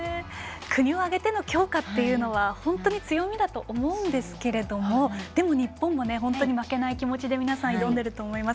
国を挙げての強化というのは本当に強みだと思うんですけど日本も本当に負けない気持ちで挑んでると思います。